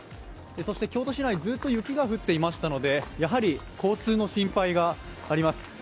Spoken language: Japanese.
京都市内、ずっと雪が降っていましたのでやはり交通の心配があります。